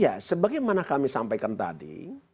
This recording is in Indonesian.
ya sebagaimana kami sampaikan tadi